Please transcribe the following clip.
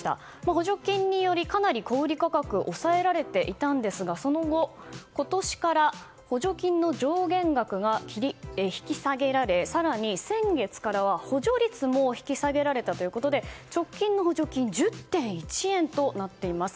補助金によりかなり小売価格抑えられていたんですがその後、今年から補助金の上限額が引き下げられ更に先月からは補助率も引き下げられたということで直近の補助金１０．１円となっています。